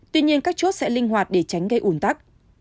tuy nhiên các chốt sẽ linh hoạt để tránh gây ủn tắc